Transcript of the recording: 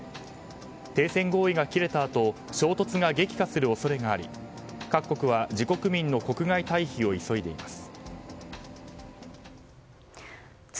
停戦合意が切れたあと衝突が激化する恐れがあり各国は自国民の国外退避を急いでいます。